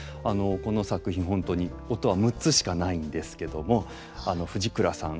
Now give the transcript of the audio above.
この作品本当に音は６つしかないんですけども藤倉さん